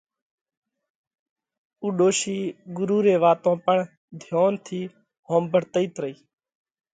اُو ڏوشِي ڳرُو ري واتون پڻ ڌيونَ ٿِي ۿومڀۯتئِيت رئِي۔